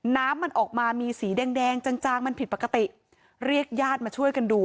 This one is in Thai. น้ำมันออกมามีสีแดงแดงจางจางมันผิดปกติเรียกญาติมาช่วยกันดู